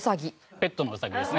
ペットのうさぎですね。